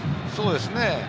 そうですね。